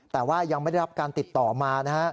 แต่ว่ายังไม่ได้รับการติดต่อมานะฮะ